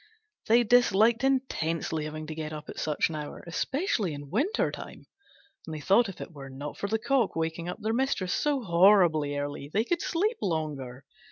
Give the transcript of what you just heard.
They disliked intensely having to get up at such an hour, especially in winter time: and they thought that if it were not for the cock waking up their Mistress so horribly early, they could sleep longer.